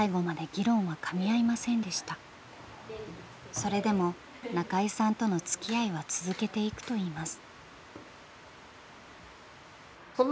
それでも中井さんとのつきあいは続けていくといいます。